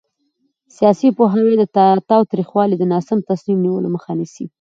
سیاسي پوهاوی د تاوتریخوالي او ناسم تصمیم نیولو مخه نیسي